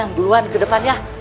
yang duluan ke depan ya